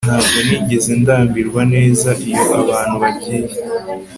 Ntabwo nigeze ndambirwa neza iyo abantu bagiye